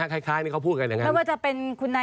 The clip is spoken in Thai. เข้าทางคุณนายอย่างนี้หรอคะ